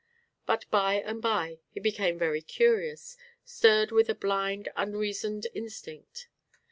But by and by he became very curious, stirred with a blind unreasoned instinct.